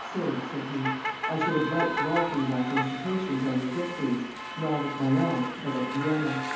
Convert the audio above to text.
"Sir," said he, "I should have liked to offer you my felicitations on your victories, not at Mayence, but at Vienna."